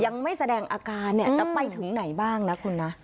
ยังไม่แสดงอาการเนี่ยจะไปถึงไหนบ้างนะคุณนะ